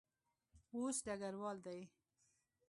اوس ډګروال دی.